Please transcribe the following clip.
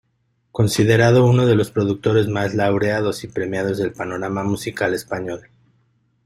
Considerado uno de los productores más laureados y premiados del panorama musical español.